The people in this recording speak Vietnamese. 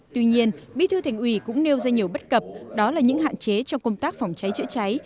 tuy nhiên bí thư thành ủy cũng nêu ra nhiều bất cập đó là những hạn chế trong công tác phòng cháy chữa cháy